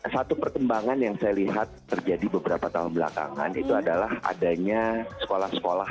satu perkembangan yang saya lihat terjadi beberapa tahun belakangan itu adalah adanya sekolah sekolah